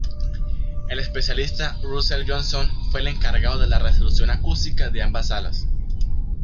El especialista Russell Johnson fue el encargado de la resolución acústica de ambas salas.